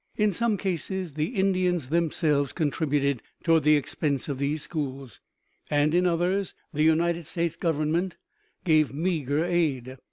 In some cases the Indians themselves contributed toward the expense of these schools, and in others the United States Government gave meagre aid.